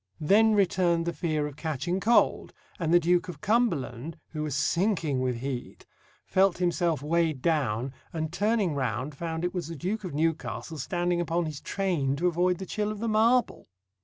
Then returned the fear of catching cold; and the Duke of Cumberland, who was sinking with heat, felt himself weighed down, and turning round found it was the Duke of Newcastle standing upon his train to avoid the chill of the marble.